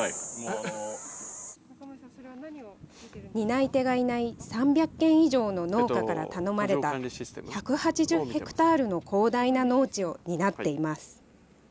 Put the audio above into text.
担い手がいない３００軒以上の農家から頼まれた、１８０ヘクタールの広大な農地を担っています。